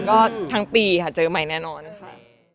ก็ทั้งปีค่ะเจอใหม่แน่นอนค่ะ